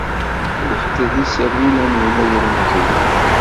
Refdet iserwula-nwen, ay ilmeẓyen!